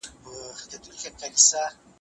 زه به سبا د کور کتابونه ترتيب کړم.